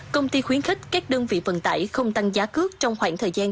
công ty khuyến khích các đơn vị vận tải không tăng giá cước trong khoảng thời gian